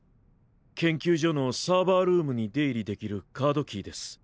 研究所のサーバールームに出入りできるカードキーです。